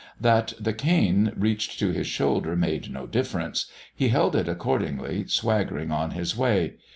That the cane reached to his shoulder made no difference; he held it accordingly, swaggering on his way.